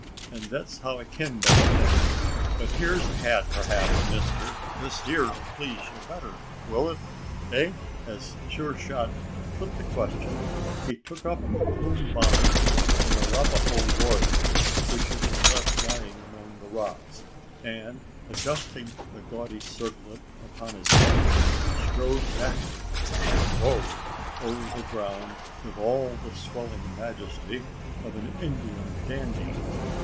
an' thet's how I kim by the thing. But heer's a hat perhaps, mister, this heer'll pleeze ye better? Will it, eh?" As Sure shot put the question, he took up the plumed bonnet of an Arapaho warrior which had been left lying among the rocks and, adjusting the gaudy circlet upon his head, strode backward and forward over the ground with all the swelling majesty of an Indian dandy!